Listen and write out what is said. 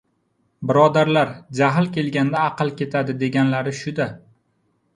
Birodarlar jahl kelganda aql ketadi, deganlari shu-da!